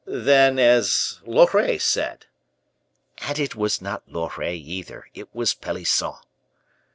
"Then, as Loret said." "And it was not Loret either; it was Pelisson."